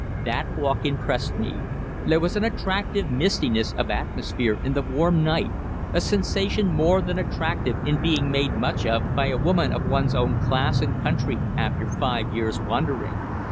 "That walk impressed me. There was an attractive mistiness of atmosphere in the warm night, a sensation more than attractive in being made much of by a woman of one's own class and country after five years' wandering."